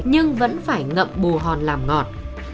nhưng vẫn phải ngậm bù hòn làm ngọt